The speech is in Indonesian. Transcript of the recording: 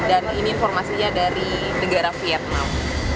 dan ini informasinya dari negara vietnam